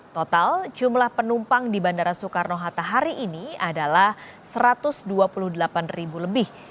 total jumlah penumpang di bandara soekarno hatta hari ini adalah satu ratus dua puluh delapan ribu lebih